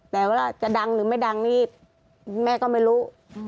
แต่ว่าจะดังหรือไม่ดังนี่แม่ก็ไม่รู้